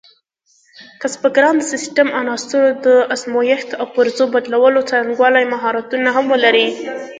کسبګران د سیسټم عناصرو د ازمېښت او پرزو بدلولو څرنګوالي مهارتونه هم ولري.